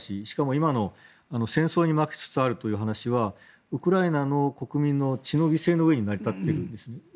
しかも今の戦争に負けつつあるということはウクライナの国民の血の犠牲のうえに成り立っているんですね。